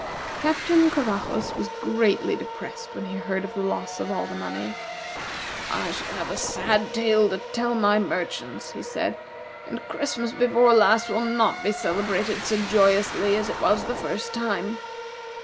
Captain Covajos was greatly depressed when he heard of the loss of all the money. "I shall have a sad tale to tell my merchants," he said, "and Christmas before last will not be celebrated so joyously as it was the first time.